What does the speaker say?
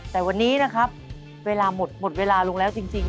แต่วันนี้นะครับเวลาหมดหมดเวลาลงแล้วจริง